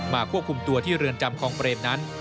ควบคุมตัวที่เรือนจำคลองเปรมนั้น